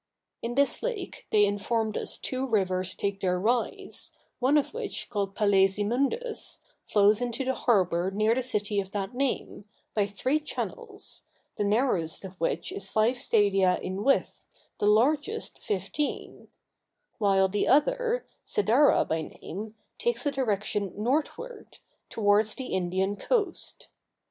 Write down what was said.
In this lake they informed us two rivers take their rise, one of which, called Palæsimundus, flows into the harbor near the city of that name, by three channels, the narrowest of which is five stadia in width, the largest fifteen: while the other, Cydara by name, takes a direction northward, towards the Indian coast.